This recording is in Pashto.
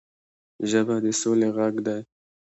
ژبه د سولې غږ دی